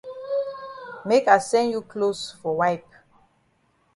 Make I send you closs for wipe.